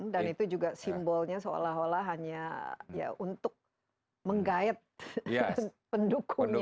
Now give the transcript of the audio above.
dan itu juga simbolnya seolah olah hanya untuk menggayat pendukungnya